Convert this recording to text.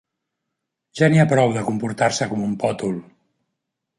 Ja n'hi ha prou, de comportar-se com un pòtol!